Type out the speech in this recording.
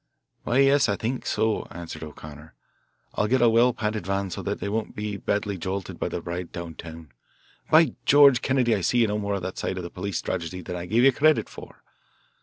"Why, yes, I think so," answered O'Connor. "I'll get a well padded van so that they won't be badly jolted by the ride down town. By George! Kennedy, I see you know more of that side of police strategy than I gave you credit for."